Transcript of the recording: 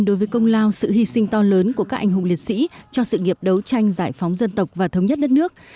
đối với công lao sự hy sinh to lớn của các anh hùng liệt sĩ cho sự nghiệp đấu tranh giải phóng dân tộc và thống nhất đất nước